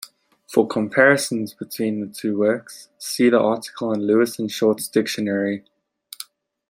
For comparisons between the two works, see the article on Lewis and Short's dictionary.